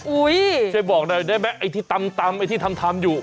อุ๊ยจะบอกได้ไหมไอ้ที่ตำไอ้ที่ทำอยู่